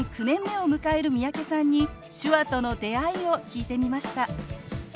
９年目を迎える三宅さんに手話との出会いを聞いてみました。